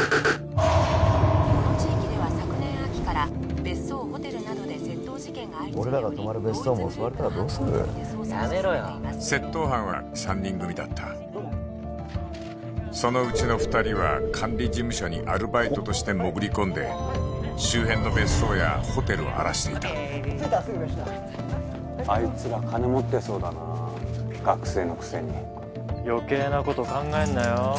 この地域では昨年秋から別荘ホテルなどで窃盗事件が相次いでおり俺らが泊まる別荘も襲われたらどうする・窃盗犯は三人組だったそのうちの二人は管理事務所にアルバイトとして潜り込んで周辺の別荘やホテルを荒らしていたあいつら金持ってそうだな学生のくせによけいなこと考えんなよ